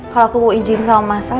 kalau aku izin sama mas al